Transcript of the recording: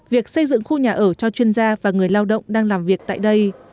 việc xây dựng khu nhà ở cho chuyên gia và người lao động đang làm việc tại đây